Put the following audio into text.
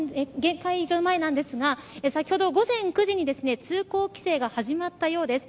前なんですが先ほど午前９時に通行規制が始まったようです。